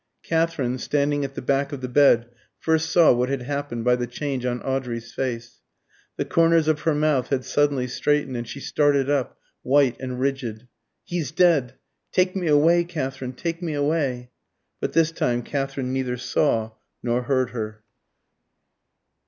Katherine, standing at the back of the bed, first saw what had happened by the change on Audrey's face. The corners of her mouth had suddenly straightened, and she started up, white and rigid. "He's dead! Take me away, Katherine take me away!" But this time Katherine neither saw nor heard her.